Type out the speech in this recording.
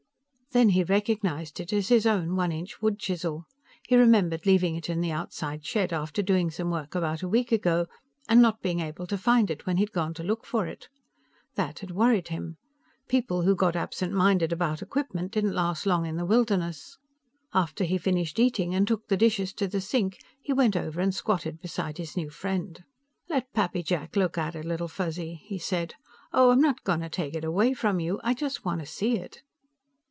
Then he recognized it as his own one inch wood chisel. He remembered leaving it in the outside shed after doing some work about a week ago, and not being able to find it when he had gone to look for it. That had worried him; people who got absent minded about equipment didn't last long in the wilderness. After he finished eating and took the dishes to the sink, he went over and squatted beside his new friend. "Let Pappy Jack look at it, Little Fuzzy," he said. "Oh, I'm not going to take it away from you. I just want to see it."